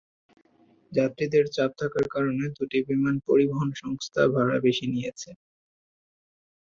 যাত্রীদের চাপ থাকার কারণে দুটি বিমান পরিবহন সংস্থা ভাড়া বেশি নিয়েছে।